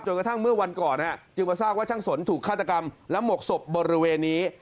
กระทั่งเมื่อวันก่อนจึงมาทราบว่าช่างสนถูกฆาตกรรมและหมกศพบริเวณนี้